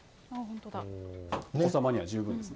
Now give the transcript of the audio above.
お子様には十分ですね。